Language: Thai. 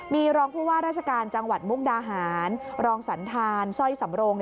มีรองผู้ว่าราชการจังหวัดมุกดาหารรองสันธารสร้อยสำโรง